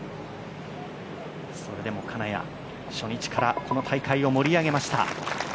それでも金谷、初日からこの大会を盛り上げました。